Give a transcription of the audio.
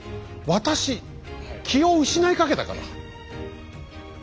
私気を失いかけたから。